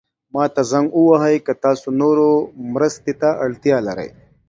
ما ته زنګ ووهئ که تاسو نورو مرستې ته اړتیا لرئ.